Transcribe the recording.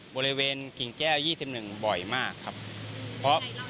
บริเวณกิ่งแก้ว๒๑บ่อยมากครับเพราะ